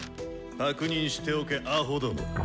確認しておけアホども。